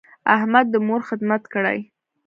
احمد د مور خدمت کړی.